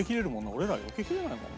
俺らはよけきれないもんな。